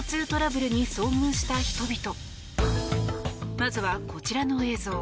まずは、こちらの映像。